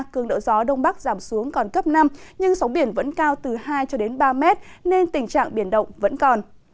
cường độ gió đông bắc giảm xuống còn cấp năm nhưng sóng biển vẫn cao từ hai cho đến ba mét nên tình trạng biển động vẫn còn